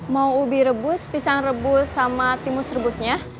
mau ubi rebus pisang rebus sama timus rebusnya